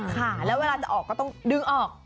ค่ะแล้วเวลาจะออกก็ต้องดึงออก